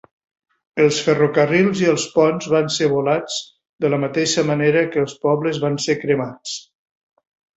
Els ferrocarrils i els ponts van ser volats, de la mateixa manera que els pobles van ser cremats.